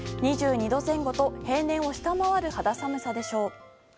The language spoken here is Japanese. ２２度前後と平年を下回る肌寒さでしょう。